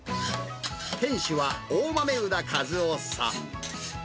店主は大豆生田一夫さん。